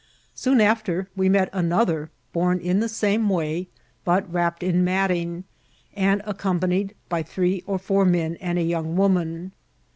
Soon after we met another, borne in the same way, but wrapped in matting, and accompanied by three or four men and a young woman.